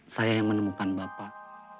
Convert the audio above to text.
saya yang menemukan bapak